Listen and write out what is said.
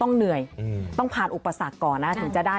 ต้องเหนื่อยต้องผ่านอุปสรรคก่อนนะ